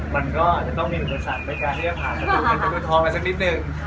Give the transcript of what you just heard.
มันก็อาจจะต้องมีอุปสรรคในการที่จะผ่านประตูเงินประตูทองมาสักนิดหนึ่ง